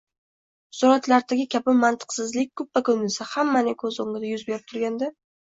Suratlardagi kabi mantiqsizlik kuppa-kunduzi, hammaning ko‘z o‘ngida yuz berib turganda